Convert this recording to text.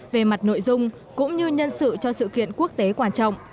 về mặt nội dung cũng như nhân sự cho sự kiện quốc tế quan trọng